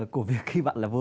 của việc khi bạn là một người